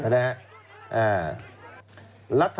แล้วแล้วแฮะ